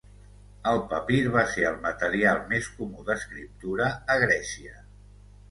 El papir va ser el material més comú d’escriptura a Grècia.